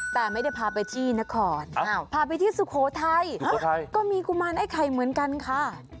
แต่ไม่ได้พาไปที่นครพาไปที่สุโขทัยก็มีกุมารไอ้ไข่เหมือนกันค่ะ